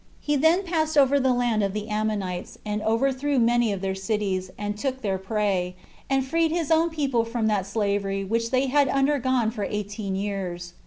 He then passed over to the land of the Ammonites, and overthrew many of their cities, and took their prey, and freed his own people from that slavery which they had undergone for eighteen years.